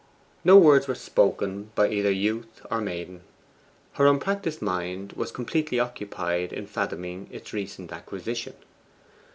No words were spoken either by youth or maiden. Her unpractised mind was completely occupied in fathoming its recent acquisition.